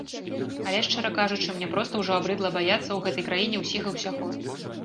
Але, шчыра кажучы, мне проста ўжо абрыдла баяцца ў гэтай краіне ўсіх і ўсяго.